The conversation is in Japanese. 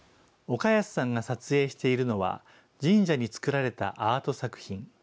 岡安さんが撮影しているのは、神社に作られたアート作品。